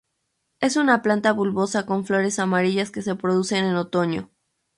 Es una planta bulbosa con flores amarillas que se producen en otoño.